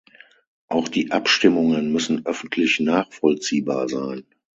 Auch die Abstimmungen müssen öffentlich nachvollziehbar sein.